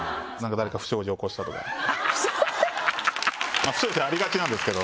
まぁ不祥事ありがちなんですけど。